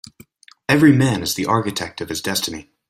Every man is the architect of his destiny.